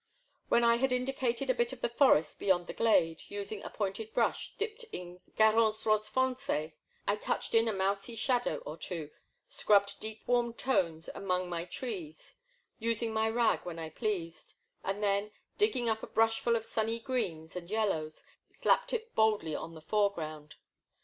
When I had indicated a bit of the forest beyond the glade, using a pointed brush dipped in Ga rance Rose foncfe, I touched in a mousey shadow or two, scrubbed deep warm tones among my trees, using my rag when I pleased, and then, digging up a brushful of sunny greens and yel lows, slapped it boldly on the foreground.